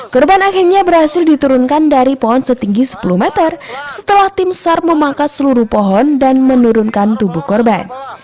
korban akhirnya berhasil diturunkan dari pohon setinggi sepuluh meter setelah tim sar memangkas seluruh pohon dan menurunkan tubuh korban